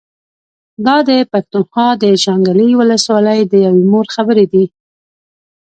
دا د پښتونخوا د شانګلې ولسوالۍ د يوې مور خبرې دي